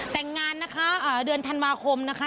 แต่งงานนะคะเดือนธันวาคมนะคะ